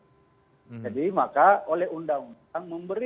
jadi maka oleh undang undang memberi